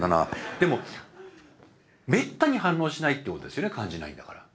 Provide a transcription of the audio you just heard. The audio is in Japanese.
でもめったに反応しないってことですよね感じないんだから。